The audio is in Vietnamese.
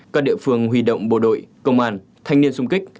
các địa phương huy động bộ đội công an thanh niên xung kích